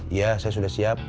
iya saya sudah siap